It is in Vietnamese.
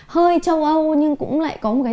hơi châu âu nhưng cũng lại có một cái